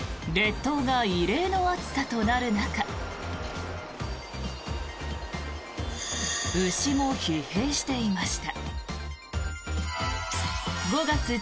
列島が異例の暑さとなる中牛も疲弊していました。